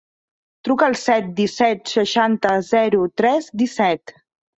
Truca al set, disset, seixanta, zero, tres, disset.